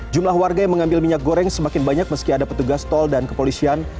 jumlah warga yang mengambil minyak goreng semakin banyak meski ada petugas tol dan kepolisian